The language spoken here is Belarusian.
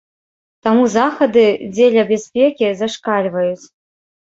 Таму захады дзеля бяспекі зашкальваюць.